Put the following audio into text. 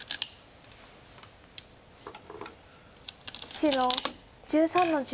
白１３の十。